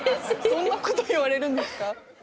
そんなこと言われるんですか。